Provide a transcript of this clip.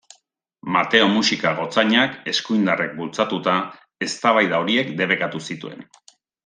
Mateo Muxika gotzainak, eskuindarrek bultzatuta, eztabaida horiek debekatu zituen.